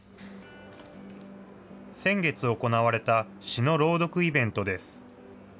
先月行われた詩の朗読イベントです。